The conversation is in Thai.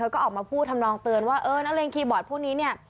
ก็ออกมาพูดทำนองเตือนว่าเออนักเรียนคีย์บอร์ดพวกนี้เนี่ย